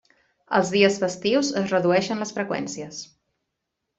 Els dies festius es redueixen les freqüències.